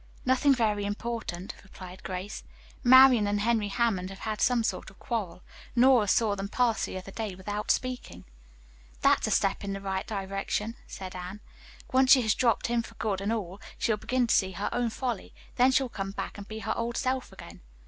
"Nothing very important," replied Grace. "Marian and Henry Hammond have had some sort of quarrel. Nora saw them pass the other day without speaking." "That's a step in the right direction", said Anne. "Once she has dropped him for good and all, she'll begin to see her own folly. Then she'll come back and be her old self again."